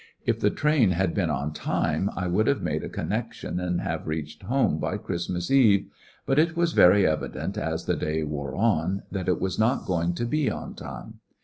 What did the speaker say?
If the train had been on time I would have made a connection and have reached home by Christmas eve, but it was very evi dent, as the day wore on, that it was not going to be on time.